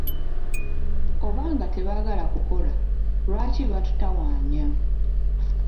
Oba nga tebaagala kukola, lwaki batutawaanya?